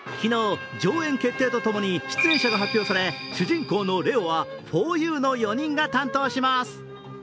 昨日、上演決定とともに出演者が発表され、主人公のレオはふぉゆの４人が担当します。